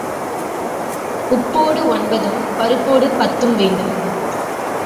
உப்போடு ஒன்பதும் பருப்போடு பத்தும் வேண்டும்.